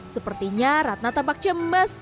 sepertinya ratna tampak cemas